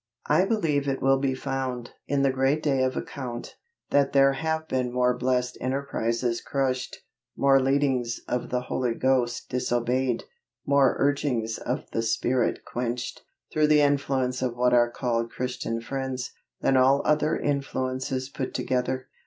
_I believe it will be found, in the great day of account, that there have been more blessed enterprises crushed, more leadings of the Holy Ghost disobeyed, more urgings of the Spirit quenched, through the influence of what are called Christian friends, than all other influences put together.